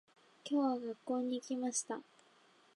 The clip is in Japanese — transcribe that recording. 今日は、学校に行きました。